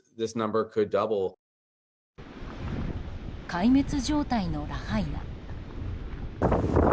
壊滅状態のラハイナ。